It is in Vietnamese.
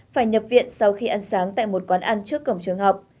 phải nhập viện sau khi ăn sáng tại một quán ăn trước cổng trường học